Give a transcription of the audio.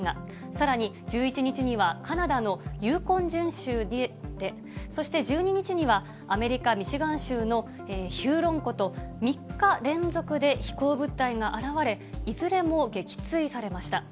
さらに１１日にはカナダのユーコン準州で、そして１２日には、アメリカ・ミシガン州のヒューロン湖と、３日連続で飛行物体が現れ、いずれも撃墜されました。